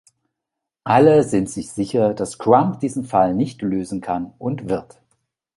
Alle sind sich sicher, dass Crumb diesen Fall nicht lösen kann und wird.